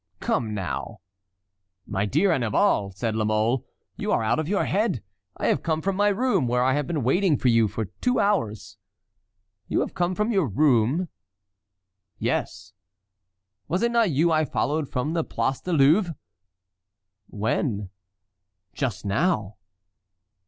"Come now!" "My dear Annibal," said La Mole, "you are out of your head. I have come from my room where I have been waiting for you for two hours." "You have come from your room?" "Yes." "Was it not you I followed from the Place du Louvre?" "When?" "Just now."